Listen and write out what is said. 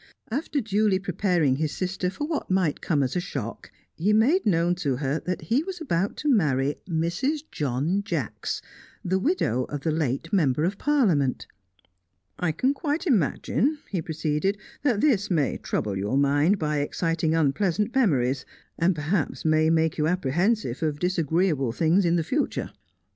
After duly preparing his sister for what might come as a shock, he made known to her that he was about to marry Mrs. John Jacks, the widow of the late member of Parliament. "I can quite imagine," he proceeded, "that this may trouble your mind by exciting unpleasant memories, and perhaps may make you apprehensive of disagreeable things in the future.